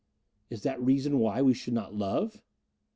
"Is that reason why we should not love?"